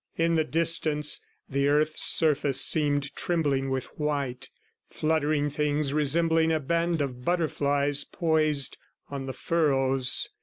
In the distance, the earth's surface seemed trembling with white, fluttering things resembling a band of butterflies poised on the furrows.